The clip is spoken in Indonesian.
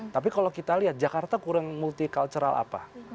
tapi kalau kita lihat jakarta kurang multi cultural apa